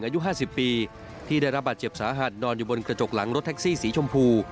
อายุ๕๐ปีที่ได้รับบาดเจ็บสาหัสนอนอยู่บนกระจกหลังรถแท็กซี่สีชมพู